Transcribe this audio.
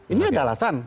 ini adalah alasan